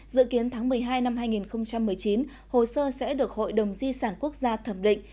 dự kiến tháng một mươi hai năm hai nghìn một mươi chín hồ sơ sẽ được hội đồng di sản quốc gia thẩm định